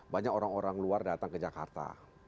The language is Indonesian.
banyak orang orang luar datang ke jakarta